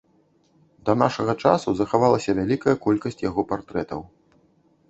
Да нашага часу захавалася вялікая колькасць яго партрэтаў.